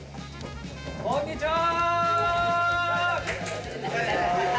こんにちは！